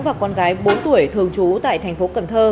và con gái bốn tuổi thường trú tại thành phố cần thơ